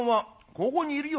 「ここにいるよ。